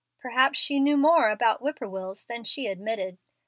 Perhaps she knew more about whippoorwills than she admitted.